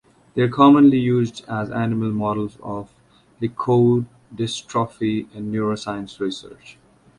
They are commonly used as animal models of leukodystrophy in neuroscience research.